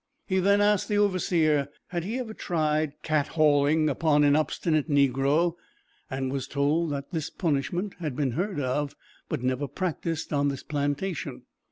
He then asked the overseer if he had ever tried cat hauling, upon an obstinate negro; and was told that this punishment had been heard of, but never practised on this plantation.